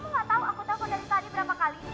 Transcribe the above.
kamu nggak tahu aku tahu kau dari tadi berapa kali